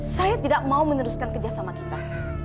saya tidak mau meneruskan kerjasama kita